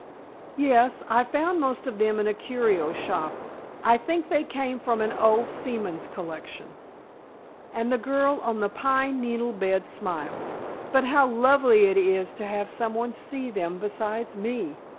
"Yes. I found most of them in a curio shop. I think they came from an old seaman's collection," and the girl on the pine needle bed smiled. "But how lovely it is to have someone see them besides me!"